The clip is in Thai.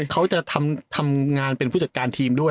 เขาจะทำงานเป็นผู้จัดการทีมด้วย